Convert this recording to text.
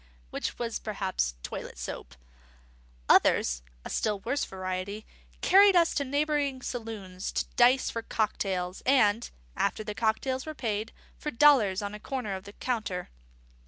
which was perhaps toilet soap. Others (a still worse variety) carried us to neighbouring saloons to dice for cocktails and (after the cocktails were paid) for dollars on a corner of the counter.